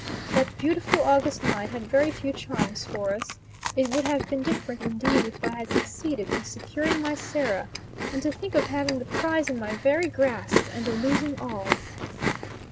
That beautiful August night had very few charms for us. It would have been different indeed if I had succeeded in securing my Sarah; and to think of having the prize in my very grasp, and the losing all!